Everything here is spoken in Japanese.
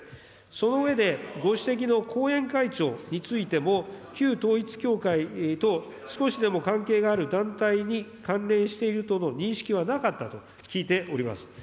その上で、ご指摘の後援会長についても、旧統一教会と少しでも関係のある団体に関連しているとの認識はなかったと聞いております。